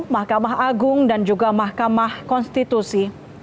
mahkamah agung dan juga mahkamah konstitusi